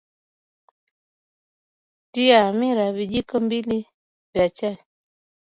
Tia hamira vijiko mbili vya chai